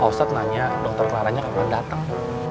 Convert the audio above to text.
ah ustad nanya dokter kelaranya kapan datang